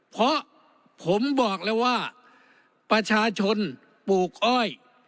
เพราะผมบอกแล้วว่าประชาชนปลูกอ้อย